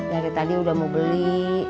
dari tadi udah mau beli